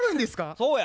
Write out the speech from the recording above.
そうや。